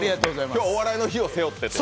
今日は「お笑いの日」を背負ってという。